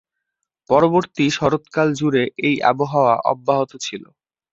পরবর্তী শরৎকাল জুড়ে এই আবহাওয়া অব্যাহত ছিল।